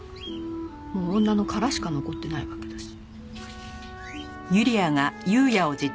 もう女の殻しか残ってないわけだし。